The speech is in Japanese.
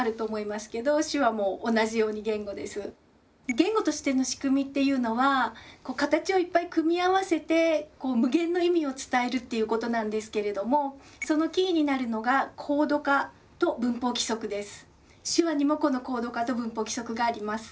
言語としての仕組みというのは形をいっぱい組み合わせて無限の意味を伝えるっていうことなんですけれどもそのキーになるのがコード化と文法規則です。